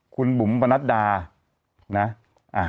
คุณบุ๋มปนัดดานะ